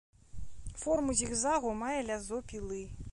Форму зігзагу мае лязо пілы.